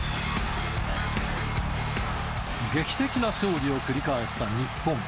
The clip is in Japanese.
劇的な勝利を繰り返した日本。